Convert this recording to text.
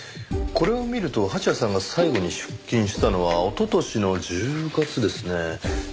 これを見ると蜂矢さんが最後に出勤したのは一昨年の１０月ですね。